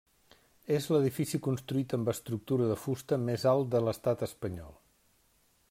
És l'edifici construït amb estructura de fusta més alt de l'estat espanyol.